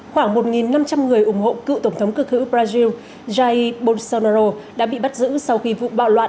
khoảng một năm trăm linh người ủng hộ cựu tổng thống cực hữu brazil jai bolsonaro đã bị bắt giữ sau khi vụ bạo loạn